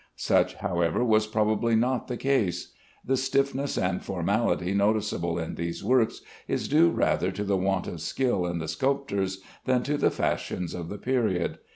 Such, however, was probably not the case. The stiffness and formality noticeable in these works is due rather to the want of skill in the sculptors than to the fashions of the period.